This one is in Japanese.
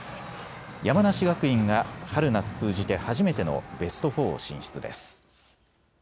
山梨学院が春夏通じて初めてのベスト４進出です。